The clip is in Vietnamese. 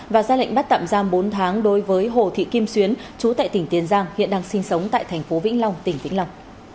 và ra lệnh bắt tạm giam bốn tháng đối với hồ thị kim xuyến chú tại tỉnh tiền giang hiện đang sinh sống tại thành phố vĩnh long tỉnh vĩnh long